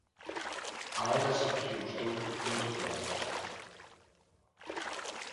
A elas sempre lles gustou moito o teatro.